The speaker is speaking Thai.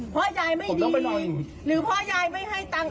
เพราะยายไม่มีหรือพ่อยายไม่ให้ตังค์